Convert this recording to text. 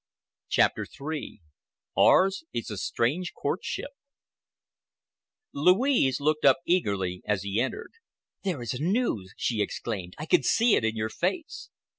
CHAPTER III "OURS IS A STRANGE COURTSHIP" Louise looked up eagerly as he entered. "There is news!" she exclaimed. "I can see it in your face."